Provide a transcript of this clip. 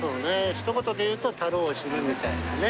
ひと言で言うと「足るを知る」みたいなね。